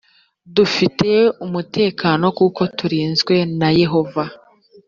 dufite umutekano kuko turinzwe na yehova